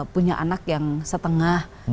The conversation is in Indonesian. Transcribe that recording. punya anak yang setengah